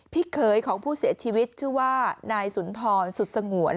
เคยของผู้เสียชีวิตชื่อว่านายสุนทรสุดสงวน